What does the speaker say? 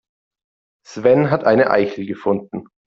Sven hat eine Eichel gefunden.